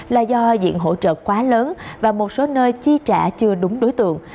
là do diện hỗ trợ quá lớn và một số nơi chi trả chưa đúng đối tượng